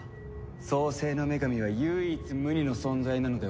創世の女神は唯一無二の存在なのでは？